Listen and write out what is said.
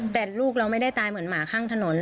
แต่ลูกเราไม่ได้ตายเหมือนหมาข้างถนน